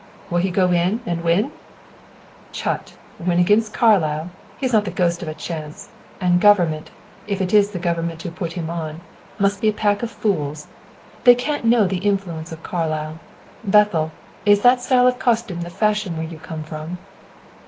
"Will he go in and win?" "Chut! Win against Carlyle! He has not the ghost of a chance; and government if it is the government who put him on must be a pack of fools; they can't know the influence of Carlyle. Bethel, is that style of costume the fashion where you come from?"